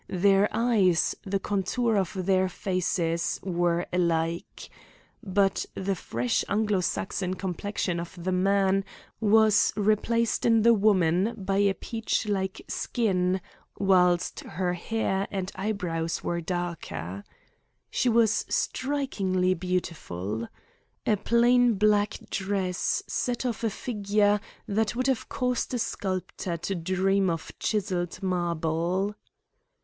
Their eyes, the contour of their faces, were alike. But the fresh Anglo Saxon complexion of the man was replaced in the woman by a peach like skin, whilst her hair and eyebrows were darker. She was strikingly beautiful. A plain black dress set off a figure that would have caused a sculptor to dream of chiselled marble.